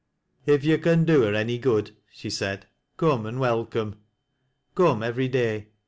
" If yo' can do her any good," she said, " come and velcorae. Come every day.